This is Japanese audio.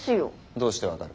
どうして分かる？